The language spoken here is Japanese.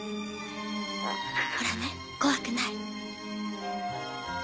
ほらね怖くない。